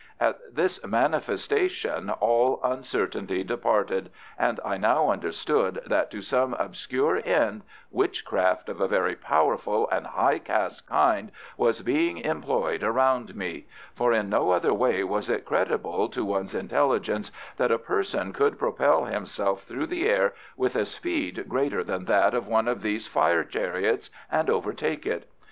At this manifestation all uncertainty departed, and I now understood that to some obscure end witchcraft of a very powerful and high caste kind was being employed around me; for in no other way was it credible to one's intelligence that a person could propel himself through the air with a speed greater than that of one of these fire chariots, and overtake it.